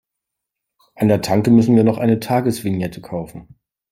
An der Tanke müssen wir noch eine Tagesvignette kaufen.